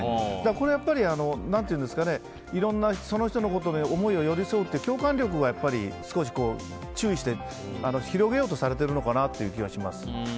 これはいろんなその人の思いに寄り添うという共感力が、少し注意して広げようとされているのかなという気がします。